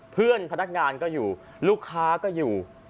เพื่อนพนักงานก็อยู่ลูกค้าก็อยู่